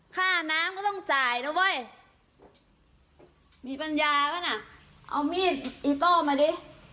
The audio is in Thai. ค่าน้ำก็ต้องจ่ายนะเว้ยมีปัญญาแล้วน่ะเอามีดอิโต้มาดิ